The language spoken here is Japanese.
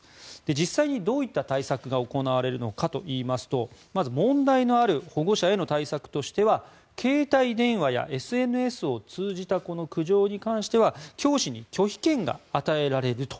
実際にどういった対策が行われるのかといいますと問題のある保護者への対策としては携帯電話やＳＮＳを通じた苦情に関しては教師に拒否権が与えられると。